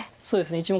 そうですね